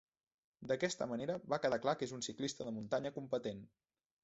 D'aquesta manera, va quedar clar que és un ciclista de muntanya competent.